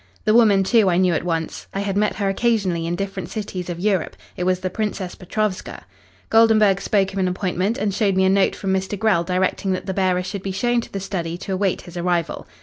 The woman, too, I knew at once. I had met her occasionally in different cities of Europe. It was the Princess Petrovska. Goldenburg spoke of an appointment and showed me a note from Mr. Grell directing that the bearer should be shown to the study to await his arrival.